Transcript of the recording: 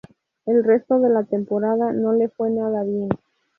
El resto de la temporada no le fue nada bien.